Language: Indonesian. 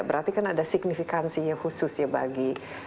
berarti kan ada signifikansinya khususnya bagi